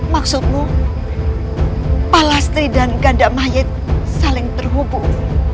maksudmu palastri dan ganda mahyet saling terhubung